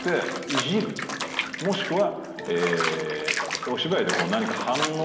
もしくは。